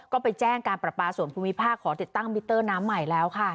ก็ไปแจ้งการประปาส่วนภูมิภาคขอติดตั้งมิเตอร์น้ำใหม่แล้วค่ะ